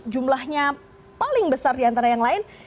jumlahnya paling besar diantara yang lain